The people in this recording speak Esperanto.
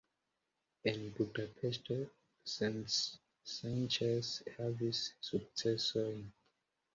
En Budapeŝto senĉese havis sukcesojn.